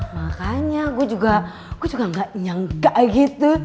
makanya gue juga gak nyangka gitu